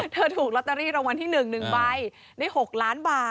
เธอถูกลอตเตอรี่รางวัลที่หนึ่งหนึ่งใบได้หกล้านบาท